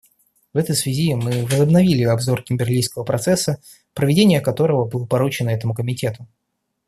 В этой связи мы возобновили обзор Кимберлийского процесса, проведение которого было поручено этому комитету.